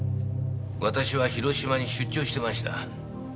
私は広島に出張してました。